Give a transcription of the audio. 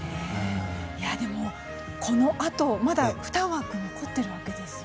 でも、このあとまだ２枠残ってるわけですよね。